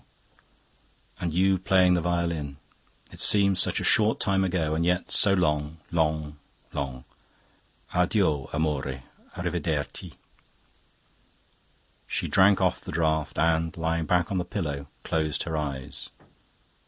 'And you playing on the violin, it seems such a short time ago, and yet so long, long, long. Addio, amore, a rivederti.' She drank off the draught and, lying back on the pillow, closed her eyes.